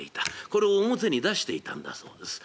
これを表に出していたんだそうです。